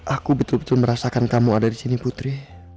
aku betul betul merasakan kamu ada di sini putri